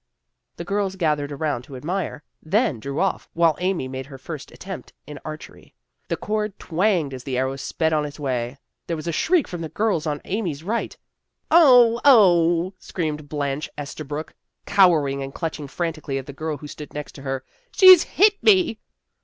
The girls gathered around to admire, then drew off, while Amy made her first attempt in archery. The cord twanged as the arrow sped on its way. There was a shriek from the girls on Amy's right. "Oh! Oh!" screamed Blanche Estabrook cowering and clutching frantically at the girl who stood next her. " She's hit me."